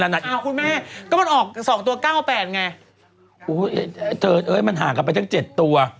อ้าวคุณแม่ก็มันออกสองตัวเก้าแปดไงเธอเอ้ยมันห่างกันไปทั้ง๗ตัว